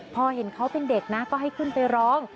พอเห็นเขาเป็นเด็กนะก็ให้ขึ้นไปร้อง